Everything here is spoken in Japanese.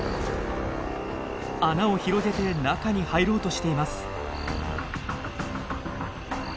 穴を広げて中に入ろうとしています。